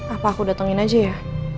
apa aku datengin aja ya